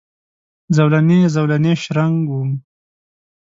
زولنې، زولنې شرنګ وم